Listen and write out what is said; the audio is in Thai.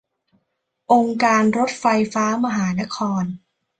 องค์การรถไฟฟ้ามหานคร